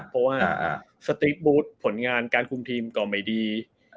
เพราะว่าสตรีฟบูธผลงานการคุมทีมก็ไม่ดี